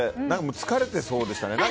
疲れてそうでしたね。